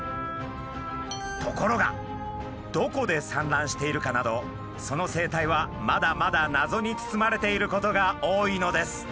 ところがどこで産卵しているかなどその生態はまだまだ謎に包まれていることが多いのです。